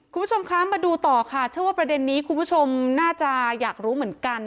คุณผู้ชมคะมาดูต่อค่ะเชื่อว่าประเด็นนี้คุณผู้ชมน่าจะอยากรู้เหมือนกัน